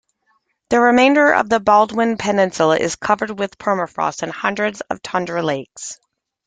The remainder of Baldwin Peninsula is covered with permafrost and hundreds of tundra lakes.